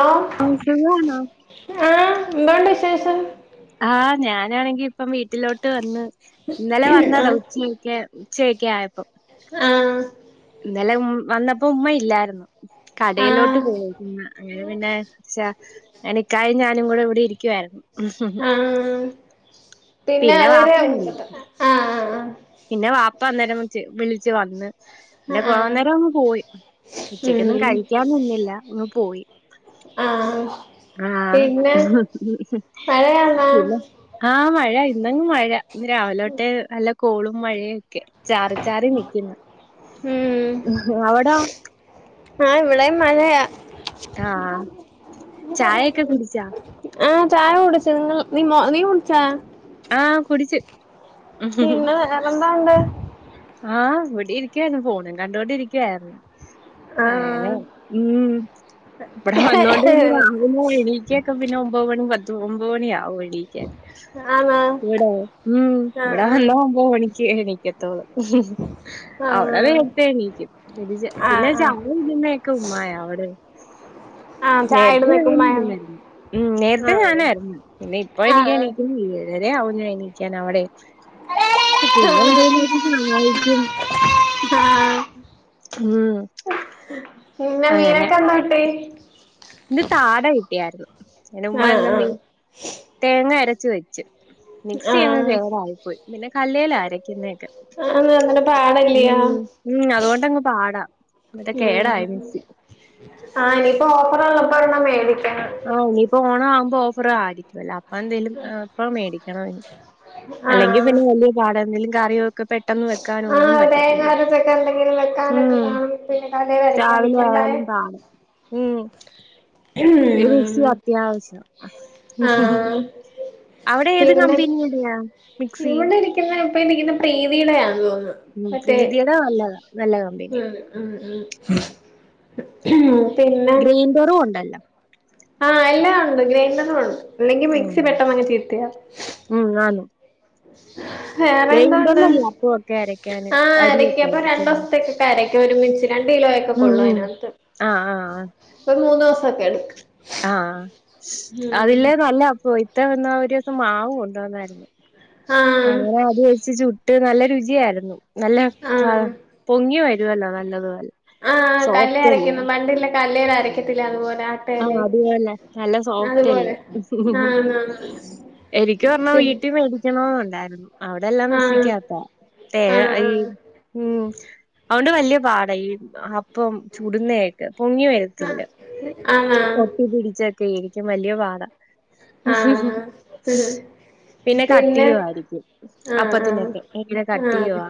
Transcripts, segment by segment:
ആഹ് ആ സുഖാണോ ആഹ് എന്തോണ്ട് വിശേഷം ആഹ് ഞാനാണെങ്കി ഇപ്പം വീട്ടിലോട്ട് വന്ന് ഇന്നലെ വന്നതാ ഉച്ചയ്ക്ക് ഉച്ചക്കെ ആയപ്പൊ ആ ഇന്നലെ ഉം വന്നപ്പോ ഉമ്മ ഇല്ലായിരുന്നു ആ ആ കടയിലോട്ട് പോയിന്ന അങ്ങനെ പിന്നെ ച്ച എനി ഇക്കായും ഞാനും കൂടെ ഇവിടെ ഇരിക്കുവായിരുന്നു ആ പിന്നെ വാപ്പ അതുവരെ വന്നു പിന്നെ വാപ്പ അന്നേരം വിളിച്ചു വന്ന് പിന്നെ ആ പോകന്നേരം അങ്ങ് പോയി ഉച്ചക്കൊന്നും ഉം കഴിക്കാൻ നിന്നില്ല അങ്ങ് പോയി ആഹ് ആഹ് മഴയാണോ പിന്ന ആഹ് മഴ ഇന്നങ്ങു മഴ ഇന്ന് രാവിലൊട്ടെ നല്ല കോളും മഴയൊക്കെ ചാറി ചാറി നിക്കുന്നു ഉം അവിടോ ആഹ് ഇവിടെ മഴയാ ആഹ് ചായൊക്കെ കുടിച്ചാ [unintelligible] ആഹ് ചായ കുടിച്ചു നിങ്ങ നീ നീ കുടിച്ചാ ആഹ് കുടിച്ചു പിന്നെ വേറെന്തോണ്ട് ആഹ് ഇവിടെ ഇരിക്കായിരുന്നു. ഫോണും കണ്ടോണ്ടി ഇരിക്കയായിരുന്നു. ആ അയനെ ഉം ഇവടെ വന്നോണ്ട് പിന്ന [unintelligible] എണീക്കെ തന്നെ പിന്നെ ഒമ്പ മണി പത്ത് ഒമ്പത് മണിയാവും എടീ ആണോ ഇവിടെ ഉം ആ ആ ഇവിടെ വന്നാ ഒമ്പത് മണിക്ക് എണിക്കത്തൊള്ളു അവിടെ വേ നേരെത്തെണീക്കും ആ ആ പിന്നെ ആ ചായ വെക്ക്ന്നൊക്കെ ഉമ്മായ അവിടെ ആ ചായ ഇടുന്ന നേരത്തെ നിക്കുമ്പായാണ് [unintelligible] ഉം നേരത്തെ ആഹ് ഞാനായിരുന്നു പിന്നെ ഇപ്പ ആ ആ എനക്ക്ണീക്കുന്നു ഏഴര ആവുന്ന എണീക്കാൻ അവിടെ പിന്നെന്താ ജോലി ഉം ആഹ് [unintelligible] പിന്നെ അങ്ങനെ മീനൊക്കെ എന്ത്‌ കിട്ടി ഇന്ന് താട കിട്ടിയാര്ന്നു ആഹ് ആഹ് തേങ്ങ അരച്ച് വെച്ച് മിക്സി അങ്ങ് ആഹ് കേടായിപ്പോയി പിന്നെ കല്ലേലാ അരക്കുന്നൊക്കെ ആന്ന് അങ്ങനെ പാടല്ല്യാ മം ഉം അതുകൊണ്ടങ്ങ് പാടാം ഉം കേടായി മിക്സ്സി ആഹ് ഇനിയിപ്പോ ഓഫറുള്ളപ്പോ ഒരെണ്ണം മേടിക്കണം ആഹ് ഇനിയിപ്പോ ഓണം ആവുമ്പോ ഓഫറയിരിക്കും അല്ലേ അപ്പ അപ്പ എന്തേലിലും ഇപ്പ മേടിക്കണഇനി, അല്ലെങ്കിൽ ആഹ് പിന്നെ വലിയ പാട എന്തെങ്കലും കറി ഒക്കെ പെട്ടെന്ന് പെട്ടെന്ന് വെക്കാനും ഒന്നും ആഹ് തേങ്ങ പറ്റത്തില്ല അരച്ചൊക്കെ എന്തെങ്കിലും വെക്കാനൊക്കെ ഉം കാണും പിന്നെ തലേൽ അരക്കാൻ രാവിലെ നിക്കണ്ടായെ ആയാലും ആഹ് മ്മ് ഏത് മിക്സി ഉം അത്യാവശ്യം, ആഹ് അവിടെ ഏത് പിന്നെ കമ്പനിയ ഹലോ ഇവിടെ ഇരിക്കുന്ന ഇപ്പംരിക്കുന്ന ഇപ്പംപ്രീതിയുടെയാണ് തോന്നുന്നു ഉം മറ്റേ പ്രീതിയുടെ നല്ല നല്ല കമ്പനിയ ഉം ഉം ഉം പിന്നെ ചെറവുണ്ടല്ലോ ആഹ് എല്ലാണ്ട് ഗ്രൈൻഡറുണ്ട് അല്ലെങ്കി മിക്സി പെട്ടെന്നങ്ങ് ചീത്തയാവും ഉം ആണ് വേറെ എന്തൊണ്ട്? അപ്പമൊക്കെ അരക്കാന് ആഹ് അരിയൊക്കെ എരക്കിയപ്പോ രണ്ട് അരക്കുന്നെ ദിവസത്തേക്ക് [unintelligible] ഒരുമിച്ച് രണ്ട് കിലോ ഒക്കെ ഉം കൊള്ളും ഉം അതിനകത്ത്. ആഹ് ആഹ് ഇപ്പോ മൂന്ന് ദിവസൊക്കെ എടുക്കും. ആഹ്. ഉം അതില്ലേ നല്ല [unintelligible] വന്നാ ഒരീസം മാവ് കൊണ്ട്‌ വന്നായിരുന്നു. ആഹ് അങ്ങനെ അത് വെച്ച് ചുട്ട് നല്ല രുചിയായിരുന്നു നല്ല പഴ ആഹ് പൊങ്ങി വരുവല്ലോ നല്ലതുപോലെ ആഹ്. കല്ലേ സോഫ്റ്റ് അല്ലയോ അരക്കുന്നു. പണ്ടിള്ള കല്ലേല് അരക്കത്തില്ലേ അതുപോലെ. ആഹ് ആട്ടയില് അത് പോലെ. നല്ല അതുപോലെ സോഫ്റ്റ്ല്ലേ? ആഹ് ആഹ് എനിക്ക് പറഞ്ഞാ പിന്നെ വീട്ടിൽ മേടിക്കണോന്നുണ്ടായിരുന്നു. അവിടെ എല്ലാം ആഹ് മിക്സിക്കകത്താ. തേ ആഹ് ഐ ആഹ് ഉം അതോണ്ട് വല്യ പാടാ ഈ അപ് പ്പം ചൂടുന്നേ ഒക്കെ. പൊങ്ങി വരത്തില്ല. ആഹ് ആണോ ഒട്ടി പിടിച്ചൊക്കെ ഇരിക്കും വല്ല്യേ പാടാ. ആഹ് പിന്നെ കട്ടിയുവായിരിക്കും ആഹ് ആഹ് അപ്പത്തിനൊക്കെ. ഭയങ്കര ആഹ് കട്ടിയുവാ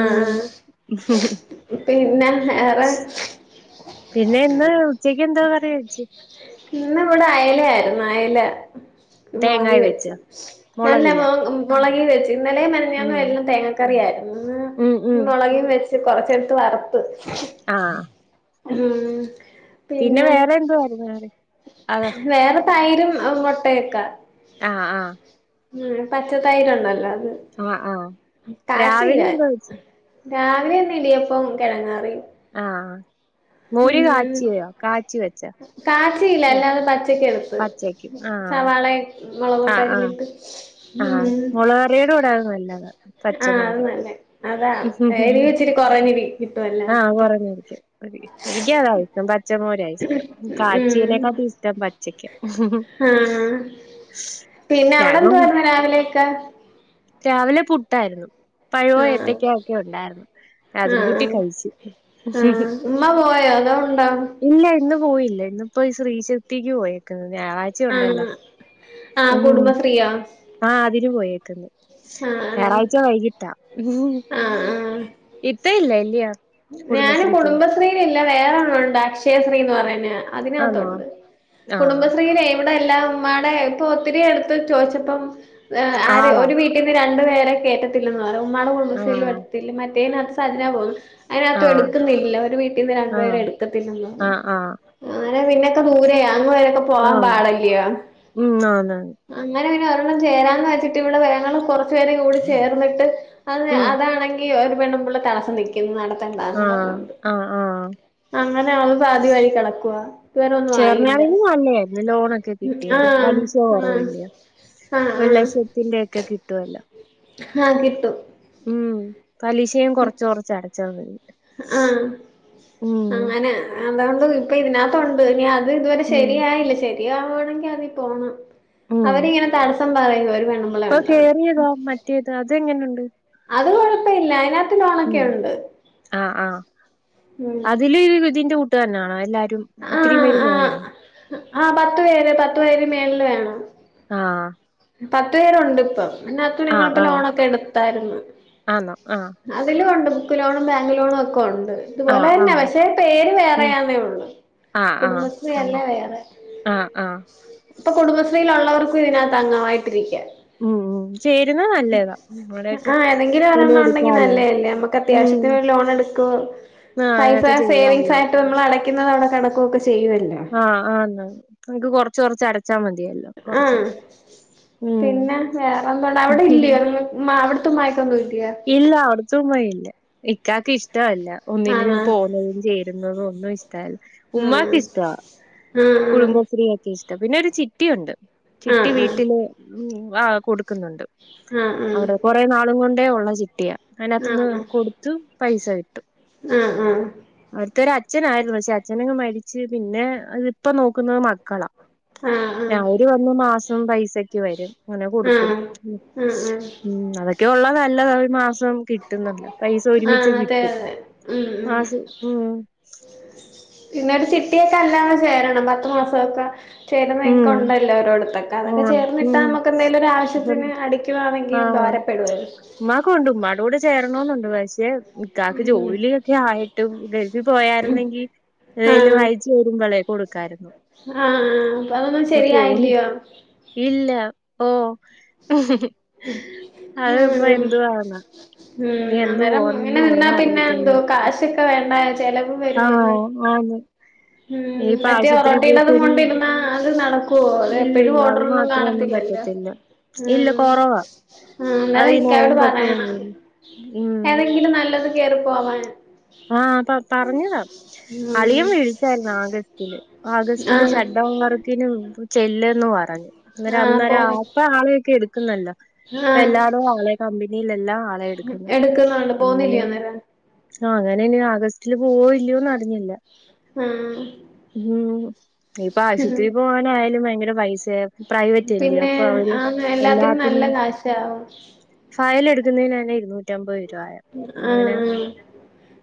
ആഹ് ആഹ് പിന്നെ വേറെ? പിന്നെ ഇന്ന് ഉച്ചക്ക് എന്തോ കറി വെച്ച്? ഇന്ന് ഇവിടെ അയല ആയിരുന്നു. അയല മൊളകി തേങ്ങായി വെച്ച്. വെച്ചോ നല്ല മുളകില്ല മാ ഉം മൊളകി വെച്ചു. ഇന്നലേം മെനഞ്ഞാന്നും ഉം എല്ലാം തേങ്ങാക്കറിയായിരുന്നു. ഉം ഉം ഇന്ന് മൊളകി വെച്ച് കൊറച്ചെടുത്ത് വറുത്ത്. ആഹ് ഉം പിന്നെ വേറെ എന്തുവാരുന്നു വേറെ? വേറെ തൈരും മൊട്ടയൊക്കെ ആഹ് ആഹ് ഉം പച്ച തൈര് ഉണ്ടല്ലോ അത്. ആഹ് ആഹ് കാച്ചിയില്ല രാവിലെ എന്താ വെച്ച്? രാവിലെ ഇന്ന് ഇടിയപ്പം കിഴങ്ങാറി. ആഹ് മോര് കാച്ചിയോ? കാച്ചി വെച്ചോ? കാച്ചിയില്ല. അല്ലാതെ പച്ചയ്ക്ക് എടുത്ത്. പച്ചക്കും ആഹ് സവാളേം ആഹ് മൊളകൊക്കെ ആഹ് അരിഞ്ഞിട്ട് ആഹ് ഉം മുളക് കറിയുടെ കൂടെ അത് നല്ലതാ. ആഹ് അത് പച്ചമോര് നല്ലേ അതാ എരിവ് ഇച്ചിരി കൊറഞ്ഞിരി കിട്ടുവല്ലോ [unintelligible] എനിക്ക്യതാവും. പച്ച മോര ഇഷ്ടം ഉം കാച്ചീനെക്കാട്ടും ഇഷ്ടം പച്ചക്കാ ആഹ് പിന്നെ ഞാനിപ്പം അവിടെന്ത്യേര്ന്ന് രാവിലേക്ക്? [inaudible] രാവിലെ പുട്ടായ്‌ര്ന്നു. പഴോ ആഹ് ഏത്തക്ക്യാ ഒക്കെ ഉണ്ടാര്ന്നു അതും ആഹ് കൂട്ടി ആഹ് കഴിച്ച്. ആഹ് [unintelligible] ഇല്ല ഇന്ന് പോയില്ല്യ ഇന്ന ഇപ്പോ ശ്രീ ചിത്തേക്ക് പോയേക്കാ ഞായറാ ആഹ് ആഹ് കുടുംബസ്രീയോ? ആഹ് അതിന് പോയേക്ക്ന്ന് ആഹ് ഞാറാഴ്ച വൈകിട്ടാ. ആഹ് ആഹ് ഇത്ത ഇല്ല്യല്ല്യേ? ഞാന് കുടുംബസ്രീല്‌ല്ല വേറെന്നുണ്ട് അക്ഷയസ്രീന്ന് പറഞ്ഞ ആന്നോ അതിനത്തുണ്ട്. ആഹ് കുടുംബസ്രീലെ ഇവടെല്ലാംമ്മടെ ഇപ്പൊ ഒത്തിരി അട്ത്ത് ചോയ്ച്ചപ്പം ആര് ആളാ ഒരു വീ ട്ടീന്ന്‌ രണ്ടു പേരെ കേറ്റത്തില്ലന്ന് പറ ഉമ്മാടെ കുടുംബസ്രീ ആഹ് ട്‌ത്തില്ല മറ്റേനത്ത് [unintelligible] അയ്നത്ത് ആഹ് എടുക്കുന്നില്ല ഒരു വീട്ടീന്ന് രണ്ടുപേരെ ആഹ് എട്ക്കത്തില്ലെന്ന് പറഞ്. ആഹ് ആഹ് അനെ പിന്നൊക്കെ ദൂരെയാ അങ് വരൊക്കെ പോവാൻ ആഹ് പാടല്ല്യോ? ഉം ആന്ന് അങ്ങനെ പിന്നെ ഒരെണ്ണം ചേരാന്ന് വെച്ച്ട്ട് ഇവടെ വേങ്ങള് കൊറച്ച് പേരേം കൂടി ചേർന്ന്ട്ട് അത് ഉം അതാണെങ്കി ഒരു പെണ്ണുംപുള്ള തടസ്സം നിക്കുന്നു നടത്തണ്ടന്ന് ആഹ് പർഞ്ഞോണ്ട്. ആഹ് ആഹ് അങ്ങനെ അത് പാതി വഴി കെടക്കുവ ഇതുവരെ ഒന്നും ആയി [unintelligible] ലോണൊക്കെ കിട്ട്യാലോ പലിശ ആഹ് കൊറവല്ല്യോ ആഹ് ഒരു ആഹ് ലക്ഷത്തിന്റെ ഒക്കെ കിട്ടുവല്ലോ? ആഹ് കിട്ടും. ഉം പലിശയും കൊറച്ച് കൊറച്ച് അടച്ച മതി ഉം. അതോണ്ട് ഇപ്പൊ ഇതിനത്ത് ഉണ്ട് ഇനി അത് ഇതുവരെ ഉം ശരിയായില്ല ശരിയാവാണെങ്കി അതി പോണം. ഉം അവരിങ്ങനെ തടസ്സം പറയും ഒരു പെണ്ണും ഇപ്പൊ കേറിയതോ മറ്റേത് അതെ ങ്ങനെ ഉണ്ട്? അത് കൊയപല്ല്യ അയ്ന ഉം ആഹ് ആഹ് അതില് ഇതിന്റെ കൂട്ട്കാരണാണോ എല്ലാരും? ഒത്തരി ആഹ് പേര് ആഹ് പോണോ? ആഹ് പത്ത് പേര് പത്ത് പേര് മേല്ല് വേണം. ആഹ്. പത്ത് പേരുണ്ട് ഇപ്പം അതിനത്ത് ഞങ്ങളിപ്പോ ലോണൊക്കെ എട്ത്തായിര്ന്ന്. ആണോ ആഹ് അതിലും ഉണ്ട് ബുക്ക് ലോണും ബാങ്ക് ലോണും ഒക്കെ ഒ ഇതുപോലെ ആഹ്, തന്നെ ആഹ്. പക്ഷേ പേര് ഉം. വേറെയാന്നേ ഒള്ളു ആഹ്, ആഹ്. ഉം. കുടുംബശ്രീയല്ലേ വേറെ ആഹ് ആഹ്. ഇപ്പൊ കുടുംബ സ്രീലുള്ളവർക്കും ഇതിനത്ത് അംഗമായിട്ടിരിക്ക്യാ. ഉം ഉം ചേരുന്ന നല്ലതാ ഇവടെ ഒക്കെ ആഹ് ഏതെങ്കിലും [unintelligible] ഒരെണ്ണം ഉണ്ടെങ്കി എടുക്കാലോ നല്ലതല്ലേ നമുക്ക് അത്യാവശ്യത്തിന് ലോൺ എടുക്കും ആഹ് പൈസ അതൊക്കെ സെവിൻസാ ചെയ്യാലോ. ണ്ട് നമ്മള് അടക്കുന്നത് അവടെ കെടക്കോക്കെ ചെയ്യല്ലോ. ആഹ് ആന്ന് ഇൻക്ക് കൊർച്ച് കൊർച്ച് അടച്ചാ മതിയല്ലോ. കൊറച്ച് ആഹ് കൊറച്ച്. ഉം. പിന്നെ വേറെന്തണ്ട അവിടെ ഇല്ല്യേ [unintelligible] മാവ് ത്തും മായസൊന്നും ഇല്ല്യ ഇല്ല അവിടത്തമ്മയില്ല ഇക്കാക്ക് ഇഷ്ടമല്ല ഒന്നിന് ആണോ പോന്നതും ചേരുന്നതും ഒന്നും ഇഷ് ടല്ല ഉമ്മാക്ക് ആഹ് ഇഷ്ട ആഹ് കുടുംബശ്രീ ഇഷ്ട പിന്നെ ഒരു ചിട്ടിയുണ്ട് ചിട്ടി ആഹ് വീട്ടില് ഉം ഉം വാ കൊടുക്കുന്നുണ്ട് ആഹ് ആഹ് അവിടെ കൊറെ നാളും കൊണ്ടേ ഒള്ള ചി ട്ടിയ ആഹ് അയിനത്ത്ന്ന് ആഹ് ആഹ് കൊടുത്തു പൈസ കിട്ടും ആഹ് ആഹ് ആഹ് അവിടുത്തെ ഒരു അച്ഛനായിരുന്നു പക്ഷെ അച്ഛനങ്ങ് മരിച്ച് പിന്നെ അതി ഇപ്പ നോക്കുന്നത് മക്കളാ ആഹ് ആഹ് അവര് വന്ന് മാസം പൈസക്ക് വരും അങ്ങനെ കൊടുക്കും ആഹ് ഉം ആഹ് ആഹ് ഉം അതൊക്കെ ഉള്ളതു നല്ലതാ ഒരു മാസം കിട്ടുന്നല്ല പൈസ ഒരുമിച്ച് ആഹ് അതെ കിട്ടും അതെ ഉം ഉം മാസം ഉം പിന്നെ ചിട്ടിയൊക്കെ എല്ലാരും ചേരണം പത്തു മാസക്കെ ചേരുന്നതൊക്കെ ഉം ഉണ്ടല്ലോ ഓരോട്ത്തൊക്കെ അതൊക്കെ ആഹ് ഉം ചേർന്നിട്ടാൽ നമുക്ക് എന്തെങ്കിലും ഒരു ആവശ്യത്തിന് അടിക്കുവാണെങ്കിൽ ഉപകാര പ്പെടുവല്ലോ ഉമ്മാക്കുണ്ട് ഉമ്മായുടെ കൂടെ ചേരണെന്നുണ്ട് പക്ഷേ ഇക്കാക്ക് ഉം ജോലിയെ ത്തേ ആയിട്ടും ഗൽഫിൽ പോയാര്ന്നെങ്കി എന്തേലും ആഹ് അയച്ച് തരുബളേ കൊടുക്കായിര്ന്നു ആഹ് അപ്പൊ അതൊന്നും ശെരിയായില്ല്യോ ഇല്ല പോ അതിപ്പോ ഉം എന്തുവാന്നാ ഇനി ഉം എന്ന് പോണംന്ന് ഒന്നും അറിയത്തില്ല ത്തെക്കെ വേണ്ടായോ ചെലവും ആഹ് ആന്ന് ഉം ഇനിയിപ്പ മറ്റേ ആശുപത്രി ഒറോട്ടീടതും പോക്കും കൊണ്ടിരുന്ന അത് നടക്കുവോ അത് എപ്പഴും ഇല്ലയില്ല അത് മാത്രം പറ്റത്തി തില്ല ആഹ് ആഹ് അന്നോരം അത് ഈ ഇക്കാനോട് നോമ്പൊക്കെ വന്ന് പറയണത് ഉം ഏതെങ്കിലും നല്ലത് കേറിപ്പോവാന് ആഹ് അപ്പ പറഞ്ഞതാ ഉം അളിയൻ വിളിച്ചായിരുന്നു ആഗസ്റ്റില് ആഗസ്റ്റില് ആഹ് ഷഡ് ഡൗൺ വർ ക്കിനും ചെല്ലന്ന് പറഞ്ഞു അന്നേരം ആഹ് അന്നേരം പോന്ന് ആപ്പ ആളൊക്കെ എടുക്കുന്നല്ലോ ഇപ്പ ആഹ് എല്ലാറൂം ആളെ കമ്പനിയിലെല്ലാം ആളെ എട്ക്കുന്നെ എടുക്കുന്നുണ്ട് അങ്ങനെ പോന്നില്ലയോ അന്നേരം ആഹ് അങ്ങനെ ഇനി ആഗസ്റ്റില് പോവോ ഇല്ല്യോന്ന് അറിഞ്ഞില്ല ആഹ് ഉം ഇപ്പൊ ആശുപത്രി പോവാനായാലും വയങ്കര പൈസേ പ്രൈവറ്റ് അല്ലിയോ പിന്നെ അപ്പൊ അവര് ആന്ന് നല്ല എല്ലാത്തിനും കാശാവും ഫയലെടുക്കുന്നയിനെന്നെ ഇരുന്നൂ ആഹ് ആഹ്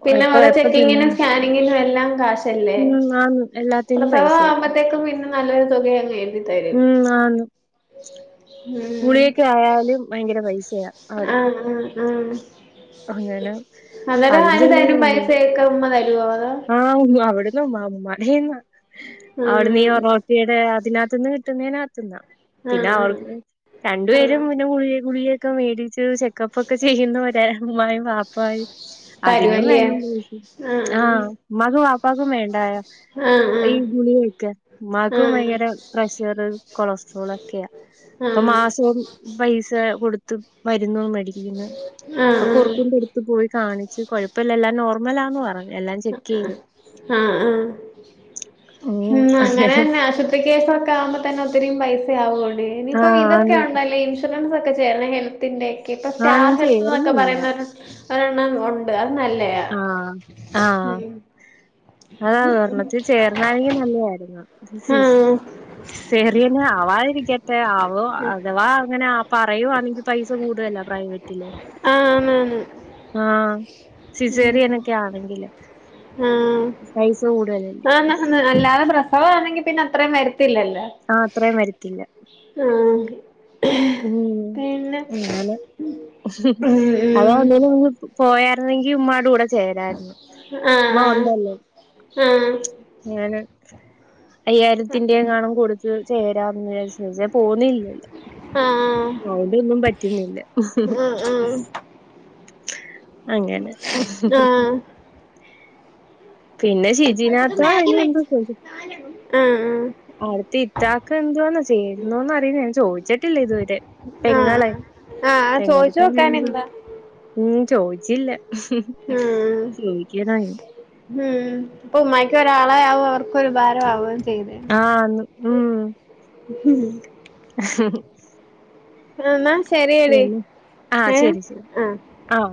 പിന്നെ എപ്പ ഓരോ എപ്പ ചെക്കിങ്ങിനും ചെല്ലാൻ സ്കാനിങ്ങിനും എല്ലാം കാശല്ലേ? ഉം ആന്ന് എല്ലാത്തിനും പ്രസവ പൈസയാ ആവുമ്പോത്തേക്കും പിന്നെ നല്ലൊരു തുക അങ്ങ് എഴ്തി തരും ഉം ആന്ന് ഉം ഗുളികക്ക് ആയാലും ഭയങ്കര പൈസയാ അവിടെ ആഹ് ആഹ് ആഹ് അങ്ങനെ അന്നേരം അതും ആര് തരും ചയ്യലല്ലേ പൈസയൊക്കെ ഉമ്മ തരുവോ അതോ ആഹ് അവടെ ല്ലോം ഉമ്മ ഉമ്മാടെന്ന അവിട്ന്നീ ആഹ് റൊട്ടീടെ അതിനകത്ത്ന്ന് തിന്നേനകത്ത്ന്നാ പിന്നെ ആഹ് അവൾക്കും ആഹ് രണ്ടുപേരും ആഹ് പിന്നെ ഗുളിക ഗുളിയൊക്കെ മേടിച്ചു ചെക്കപ്പ് ഒക്കെ ചെയ്യുന്നവരാ ഉമ്മായും വാപ്പായും അതിനും തരുവല്ലേ വേണം പൈസ ആഹ് ഉമ്മാക്കും വാപ്പാക്കും വേണ്ടായോ ആഹ് ആഹ് ഈ ഗുളികൊക്കെ ഉമ്മാക്കും ആഹ് വയങ്കര പ്രഷർ കൊളസ്ട്രോൾ ഒക്കെയാ ഇപ്പൊ ആഹ് മാസവും പൈസ കൊടുത്ത് മരുന്നു മേടിക്കിന്നു ആഹ് അപ്പൊ ആഹ് കുറുപ്പിന്റെടുത്ത് പോയി കാണിച്ച് കൊഴപ്പല്ല എല്ലാം നോർമലാന്ന് പറഞ്ഞു എല്ലാം ചെക്ക് ചെയ്തു ആഹ് ആഹ് ഉം [unintelligible] കേസൊക്കെ ആവുമ്പോ തന്നെ ഒത്തിരി പൈസയാവോഡീ ഇനിയിപ്പം ആഹ് ഇതൊക്കെ ആന്ന് ഒണ്ടല്ലോ ഇ ഇൻഷുറൻസ് ഒക്കെ ചേരണം ഹെൽത്തിന്റെയെക്കെ ഇപ്പോ ആന്ന് സ്റ്റാർ ഹെൽത്ത് എന്നൊക്കെ ചേർന്നില്ല പറയുന്ന ഒരു ഒരെണ്ണം ഒണ്ട് അത് നല്ലയാ ആഹ് ആഹ് ഉം അതാ ഒരണ്ണത്തി ചേർന്നാരെങ്കി നല്ലതാരുന്നു ആഹ് [unintelligible] ആവാതിരിക്കട്ടെ ആവോ അഥവാ അങ്ങനെ പറയുവന്നെങ്കിൽ പൈസ കൂടുതലാ പ്രൈവറ്റില് ആഹ് ആന്നാന്ന് ആഹ് ഉം സിസേറിയനൊക്കെ ആണെങ്കില് പൈസ കൂടുതലല്ലേ ആഹ് ആഹ് അല്ലാതെ പ്രശ്ന അത് ആണെങ്കി പിന്നെ അത്രയും വരത്തില്ലല്ലോ ആഹ് അത്രേം വരത്തില്ല ആഹ് ഉം പിന്നെ അങ്ങനെ ഉം അതാവുന്നെന് ഉം മുന്നേ പോയാരുന്നെങ്കി ഉമ്മാടെ കൂടെ ചേരാരുന്നു ഉമ്മ ആഹ് ഒണ്ടല്ലോ ആഹ് ഞാന് അയ്യായിരത്തിന്റെ എങ്ങാണം കൊടുത്ത് ചേരാന്ന് വിചാരിച്ച പോന്നില്ലല്ലോ ആഹ് ആഹ് അതൊണ്ടൊന്നും പറ്റുന്നില്ല ആഹ് ആഹ് അങ്ങനെ ആഹ് ആഹ് പിന്നെ [unintelligible] ഇനി എന്ത ആഹ് ആഹ് ആടുത്തെ ഇത്താക്ക് എന്തുവാന്ന ചേരുന്നോന്ന് അറിയില്ല ഞാൻ ചോയിച്ചിട്ടില്ല ഇതുവരെ ആഹ് പെങ്ങളെ ആഹ് പെങ്ങളടുത്ത് എന്തെങ്കിലും ചോദി- ചോയ്ചോക്കാനെന്താ ഉം ചോയിച്ചില്ല ഉം [unintelligible] ഉം ഇപ്പ ഉമ്മായിക്ക് ഒരാളെ ആവും അവർക്കൊരുപകാരാവു ആവൂ ആഹ് ഉം ആഹ് എന്നാ ശരിയടി ഏഹ് ആഹ് ആഹ്